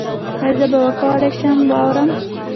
ایا زه به وکولی شم واورم؟